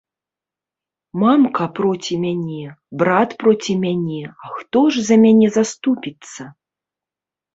Мамка проці мяне, брат проці мяне, а хто ж за мяне заступіцца?